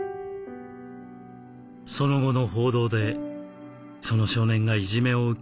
その後の報道でその少年がいじめを受け